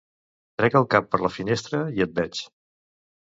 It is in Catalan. Trec el cap per la finestra i et veig.